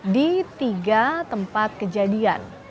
di tiga tempat kejadian